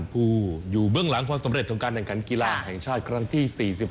ผู้อยู่เบื้องหลังความสำเร็จของการแข่งขันกีฬาแห่งชาติครั้งที่๔๖